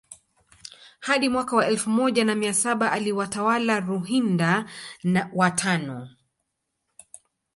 Hadi mwaka wa elfu moja na mia saba alitawala Ruhinda wa tano